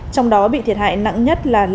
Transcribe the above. trong đó bị thiệt hại nặng nhất là lạc hóa